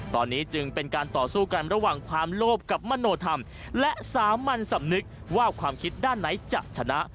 ตอนนี้จึงเป็นการต่อสู้กันระหว่างความโลภกับมโนธรรมและสามัญสำนึกว่าความคิดด้านไหนจะชนะ